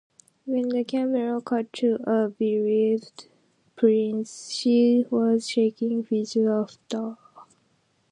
When the camera cut to a "bereaved" Prinz, she was shaking with laughter.